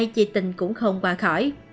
chị tình cũng không qua khỏi